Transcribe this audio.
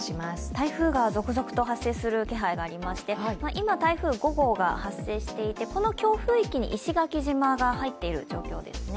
台風が続々と発生する気配がありまして、今、台風５号が発生していて、この強風域に石垣島が入っている状況です。